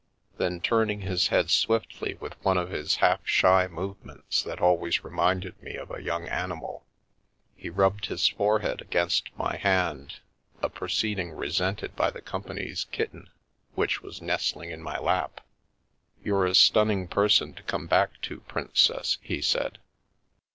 Then, turning his head swiftly with one of his half shy movements that always reminded me of a young animal, he rubbed his forehead against my hand — a proceeding resented by the company's kit ten, which was nestling in my lap. " You're a stunning person to come back to, prin cess," he said.